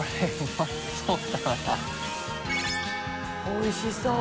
おいしそう。